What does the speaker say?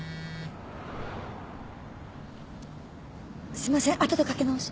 すいません後でかけ直し。